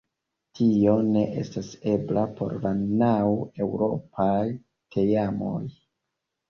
Tio ne estas ebla por la naŭ eŭropaj teamoj.